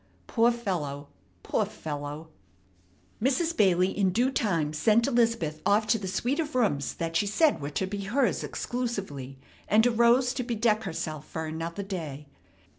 Poor fellow, poor fellow!" Mrs. Bailey in due time sent Elizabeth off to the suite of rooms that she said were to be hers exclusively, and arose to bedeck herself for another day.